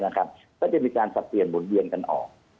ก็จะมีการศักดีการศ์เปลี่ยนหมุนเวียงกันออก